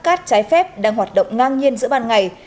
cát trái phép đang hoạt động ngang nhiên giữa ban ngày